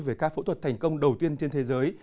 về ca phẫu thuật thành công đầu tiên trên thế giới